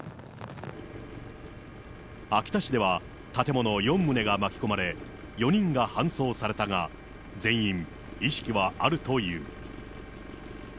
秋田市では建物４棟が巻き込まれ、４人が搬送されたが、全員意識はあるという。